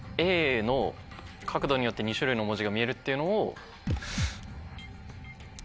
「角度によって２種類の文字が見える」っていうのを。